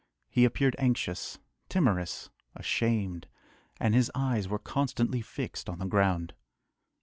He appeared anxious, timorous, ashamed, and his eyes were constantly fixed on the ground.